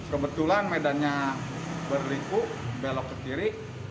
kebetulan medannya berliku belok ke kiri